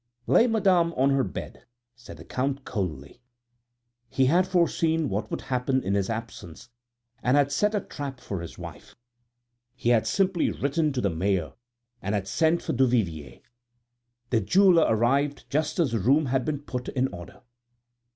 "Lay Madame on her bed," said the Count coldly. He had foreseen what would happen in his absence and had set a trap for his wife; he had simply written to the mayor, and had sent for Duvivier. The jeweller arrived just as the room had been put in order.